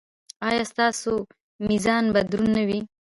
ایا ستاسو میزان به دروند نه وي؟